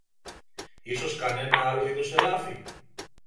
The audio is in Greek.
Ίσως κανένα άλλο είδος ελάφι;